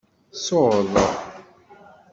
Suḍ.